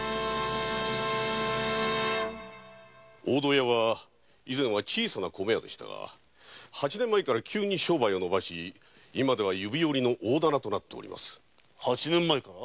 大戸屋は以前は小さな米屋でしたが八年前から急に商売をのばし今では指折りの大店となっております。